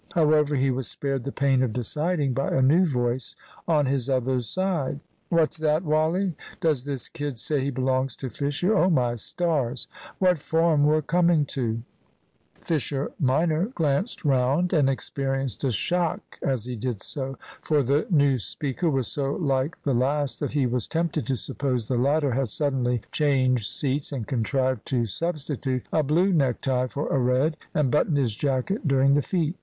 However, he was spared the pain of deciding by a new voice on his other side. "What's that, Wally? Does this kid say he belongs to Fisher? Oh, my stars, what form we're coming to!" Fisher minor glanced round, and experienced a shock as he did so. For the new speaker was so like the last that he was tempted to suppose the latter had suddenly changed seats and contrived to substitute a blue necktie for a red, and button his jacket during the feat.